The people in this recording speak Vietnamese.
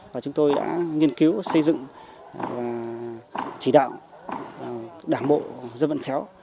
và chúng tôi đã nghiên cứu xây dựng và chỉ đạo đảng bộ dân vận khéo